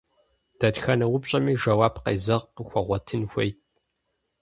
Дэтхэнэ упщӏэми жэуап къезэгъ къыхуэгъуэтын хуейт.